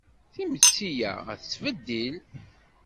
Timetti a tettbeddil.